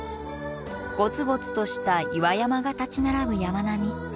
ゴツゴツとした岩山が立ち並ぶ山並み。